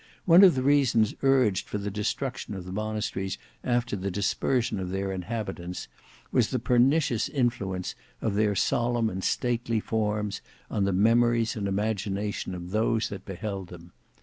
One of the reasons urged for the destruction of the monasteries after the dispersion of their inhabitants, was the pernicious influence of their solemn and stately forms on the memories and imagination of those that beheld them.